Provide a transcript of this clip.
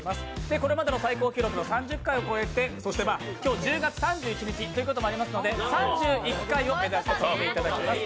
これまでの最高記録の３０回を超えて今日は１０月３１日ということもありますので３１回を目指していただきます。